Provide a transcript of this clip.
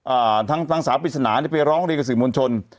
อาทั้งทั้งสาวพีศนะเนี้ยไปร้องเรื่อยกระฉ่งมลชน